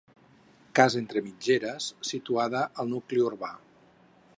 Casa entre mitgeres, situada al nucli urbà.